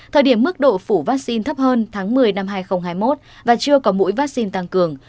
thời điểm mức độ phủ vaccine thấp hơn tháng một mươi năm hai nghìn hai mươi một và chưa có mũi vaccine tăng cường